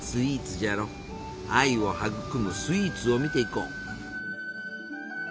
愛を育むスイーツを見ていこう。